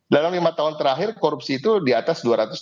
dalam lima tahun terakhir korupsi itu di atas dua ratus lima puluh